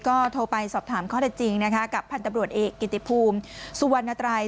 ก็โทรไปสอบถามข้อได้จริงนะคะกับพันธบรวจเอกกิติภูมิสุวรรณไตร